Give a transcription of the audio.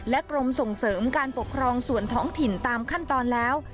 กรมส่งเสริมการปกครองส่วนท้องถิ่นตามขั้นตอนแล้ว